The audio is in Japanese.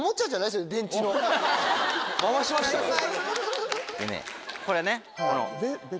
でねこれねこの。